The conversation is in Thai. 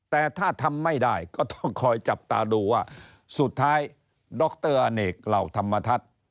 แต่ถ้าทำไม่ได้ก็ต้องคอยจับตาดูว่าสุดท้ายดรอเนกเหล่าธรรมทัศน์